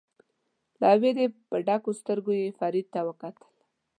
له وېرې په ډکو سترګو یې فرید ته وکتل.